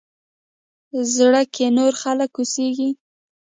زړه کښې نور خلق اوسيږي